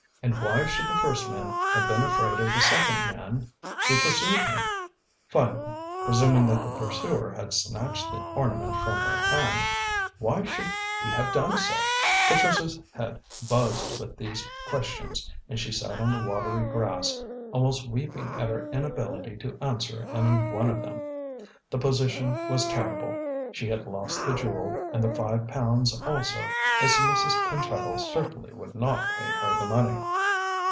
And why should the first man have been afraid of the second man who pursued him? Finally presuming that the pursuer had snatched the ornament from her hand why should he have done so? Patricia's head buzzed with these questions, and she sat on the watery grass, almost weeping at her inability to answer any one of them. The position was terrible: she had lost the jewel and the five pounds also, as Mrs. Pentreddle certainly would not pay her the money.